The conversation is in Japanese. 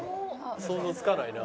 想像つかないな。